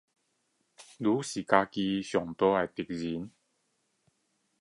你是自己最大的敵人